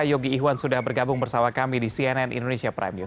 yogi ihwan sudah bergabung bersama kami di cnn indonesia prime news